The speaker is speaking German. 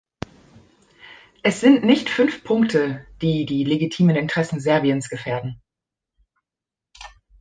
Es sind nicht fünf Punkte, die die legitimen Interessen Serbiens gefährden.